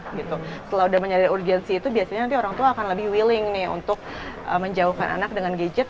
setelah udah menyadari urgensi itu biasanya nanti orang tua akan lebih willing nih untuk menjauhkan anak dengan gadget